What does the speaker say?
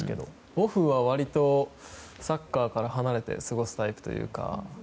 オフは割とサッカーから離れて過ごすタイプというか。